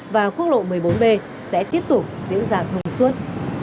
và khuôn lộ một mươi bốn b sẽ tiếp tục giữ dạng thông suốt